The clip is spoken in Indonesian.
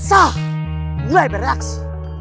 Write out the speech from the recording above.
sah mulai beraksi